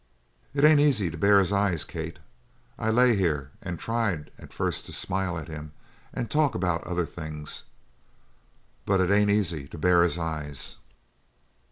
"It ain't easy to bear his eyes, Kate. I lay here and tried at first to smile at him and talk about other things but it ain't easy to bear his eyes.